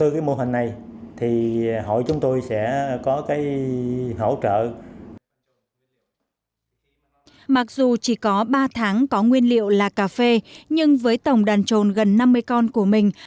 cà phê trồn có nguyên liệu là cà phê nhưng với tổng đàn trồn gần năm mươi con của mình